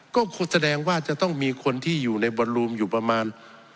ก็แสดงว่าจะต้องมีคนที่อยู่ในบอลลูมอยู่ประมาณ